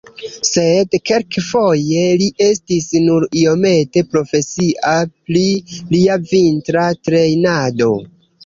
Sed kelkfoje li estis nur iomete profesia pri lia vintra trejnado.